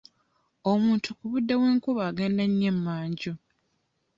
Omuntu ku budde bw'enkuba agenda nnyo emanju.